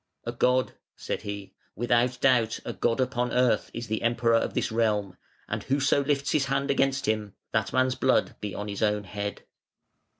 'A God,' said he, 'without doubt a God upon Earth is the Emperor of this realm, and whoso lifts his hand against him, that man's blood be on his own head."